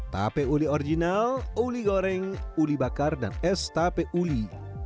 tape uli original uli goreng uli bakar dan es tape uli